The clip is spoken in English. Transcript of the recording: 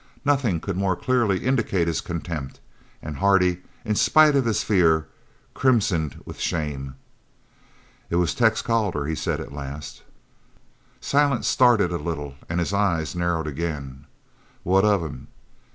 Nothing could more clearly indicate his contempt, and Hardy, in spite of his fear, crimsoned with shame. "It was Tex Calder," he said at last. Silent started a little and his eyes narrowed again. "What of him?"